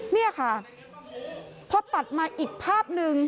นี่ค่ะพอตัดมาอีกภาพหนึ่ง